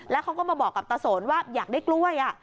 แล้วเขาก็มาบอกกับตาสนว่าอยากได้กล้วย